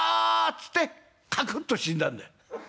っつってカクッと死んだんだよ。